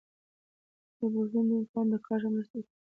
روبوټونه د انسانانو د کار مرسته کوي.